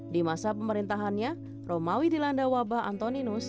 di masa pemerintahannya romawi dilanda wabah antonius